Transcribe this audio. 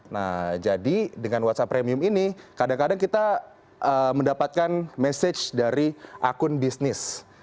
nah jadi dengan whatsapp premium ini kadang kadang kita mendapatkan message dari akun bisnis